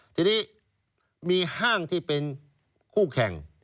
ทีนี้มีห้างที่เป็นคู่แข่ง